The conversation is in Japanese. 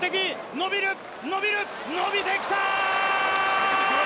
伸びる、伸びる、伸びてきた！